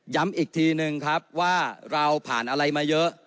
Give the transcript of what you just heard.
อีกทีนึงครับว่าเราผ่านอะไรมาเยอะ